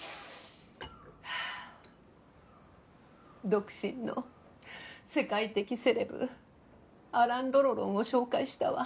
独身の世界的セレブアラン・ドロロンを紹介したわ。